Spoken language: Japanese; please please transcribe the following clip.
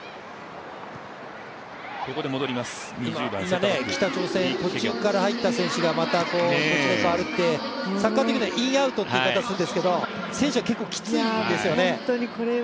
今、北朝鮮、途中から入った選手がまた抜けるってサッカー的にはイン・アウトという言い方をするんですけど選手は結構きついんですよね。